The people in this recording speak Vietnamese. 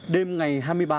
đêm ngày hai mươi ba